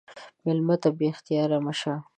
مېلمه ته بې اختیاره مه شه.